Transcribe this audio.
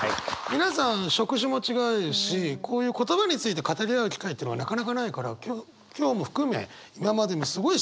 皆さん職種も違うしこういう言葉について語り合う機会っていうのはなかなかないから今日今日も含め今までもすごい。